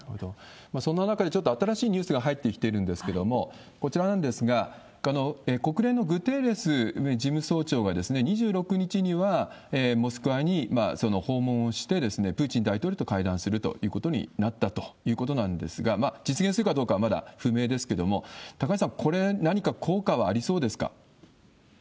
そんな中で、ちょっと新しいニュースが入ってきているんですけれども、こちらなんですが、この国連のグテーレス事務総長が、２６日にはモスクワに訪問をして、プーチン大統領と会談するということになったということなんですが、実現するかどうかはまだ不明ですけれども、高橋さん、これ、何か効果はありそうですか？